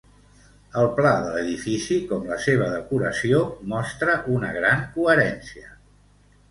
El pla de l'edifici, com la seva decoració, mostra una gran coherència.